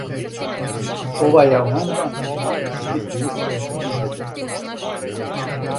Овај амандман ће званично бити усвојен у недељу.